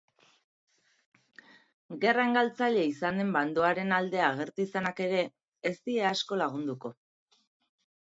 Gerran galtzaile izan den bandoaren alde agertu izanak ere ez die asko lagunduko.